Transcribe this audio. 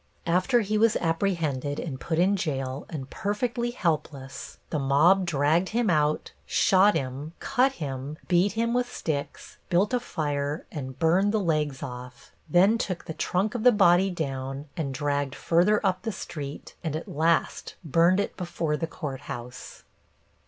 After he was apprehended and put in jail and perfectly helpless, the mob dragged him out, shot him, cut him, beat him with sticks, built a fire and burned the legs off, then took the trunk of the body down and dragged further up the street, and at last burned it before the court house.